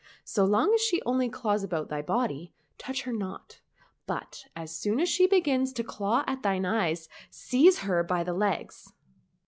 So long as she only claws about thy body, touch her not ; but as soon as she begins to claw at thine eyes, seize her by the legs."